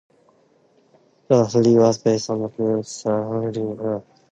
The series was based on the book "The Klondike Fever" by Pierre Berton.